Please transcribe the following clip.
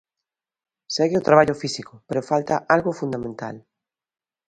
Segue o traballo físico, pero falta algo fundamental.